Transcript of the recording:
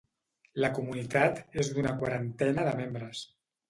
La comunitat és d'una quarantena de membres.